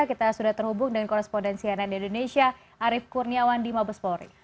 kita sudah terhubung dengan korespondensi ann indonesia arief kurniawan di mabes polri